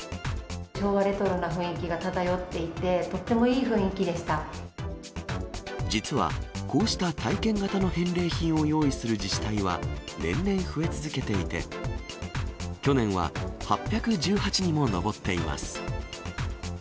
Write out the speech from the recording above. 昭和レトロな雰囲気が漂って実は、こうした体験型の返礼品を用意する自治体は年々増え続けていて、去年は８１８にも上っています。